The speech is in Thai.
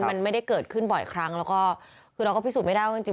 มันไม่ได้เกิดขึ้นบ่อยครั้งแล้วก็คือเราก็พิสูจน์ไม่ได้ว่าจริง